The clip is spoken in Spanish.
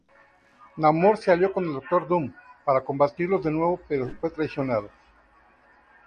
Namor se alió con el Doctor Doom para combatirlos de nuevo, pero fue traicionado.